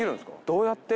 どうやって？